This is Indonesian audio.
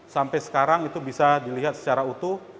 sampai sekarang itu bisa dilihat secara utuh